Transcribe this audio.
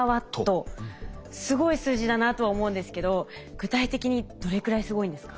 すごい数字だなとは思うんですけど具体的にどれくらいすごいんですか？